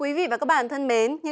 quý vị và các bạn thân mến